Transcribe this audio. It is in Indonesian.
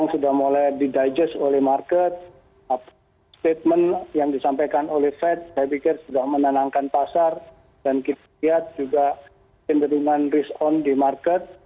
sudah menenangkan pasar dan kita lihat juga cenderungan risk on di market